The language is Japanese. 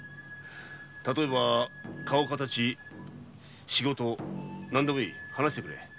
例えば顔形仕事何でもいい話してくれ。